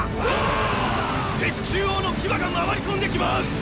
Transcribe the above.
敵中央の騎馬が回り込んで来ます！